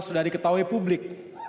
sudah diketahui publik